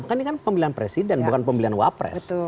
ini kan pemilihan presiden bukan pemilihan waapres